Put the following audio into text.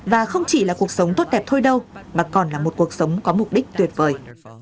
và không chỉ là cuộc sống tốt đẹp thôi đâu mà còn là một cuộc sống có mục đích tuyệt vời